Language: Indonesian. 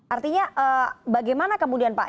artinya bagaimana kemudian pak